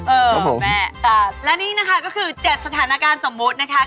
เออแม่จัดแล้วนี่นะคะก็คือ๗สถานการณ์สมมตินะคะ